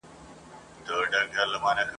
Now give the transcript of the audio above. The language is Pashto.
نه بچي مو خریدار لري په ښار کي !.